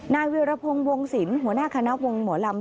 นายวิรพงศ์วงศิลป์หัวหน้าคณะวงหมอลำ